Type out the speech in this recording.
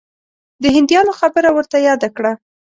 د هندیانو خبره ورته یاده کړه.